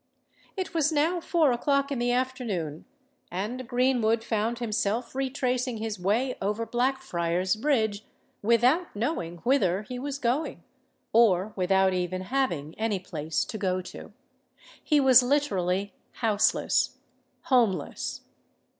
It was now four o'clock in the afternoon; and Greenwood found himself retracing his way over Blackfriars' Bridge, without knowing whither he was going—or without even having any place to go to. He was literally houseless—homeless!